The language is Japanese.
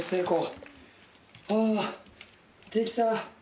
できたよ！